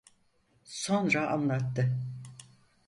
Sonra anlattı.